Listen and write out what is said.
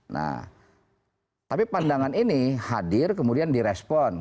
nah tapi pandangan ini hadir kemudian direspon